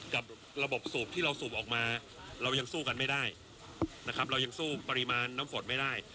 กับระบบสูบที่เราสูบออกมาเรายังสู้กันไม่ได้นะครับเรายังสู้ปริมาณน้ำฝนไม่ได้